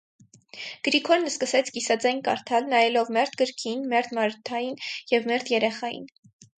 Գրիգորն սկսեց կիսաձայն կարդալ, նայելով մերթ գրքին, մերթ Մարթային և մերթ երեխային: